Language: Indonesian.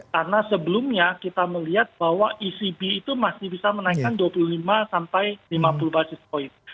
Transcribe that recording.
karena sebelumnya kita melihat bahwa ecb itu masih bisa menaikkan dua puluh lima sampai lima puluh basis point